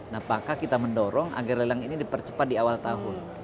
nah apakah kita mendorong agar lelang ini dipercepat di awal tahun